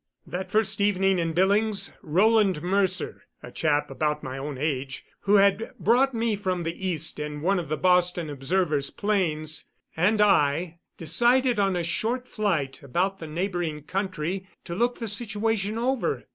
That first evening in Billings, Rolland Mercer a chap about my own age, who had brought me from the East in one of the Boston Observer's planes and I, decided on a short flight about the neighboring country to look the situation over.